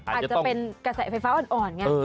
อาจจะเป็นกระแสไฟฟ้าอ่อนอย่างนี้